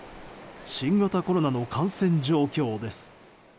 新型コロナの感染状況です。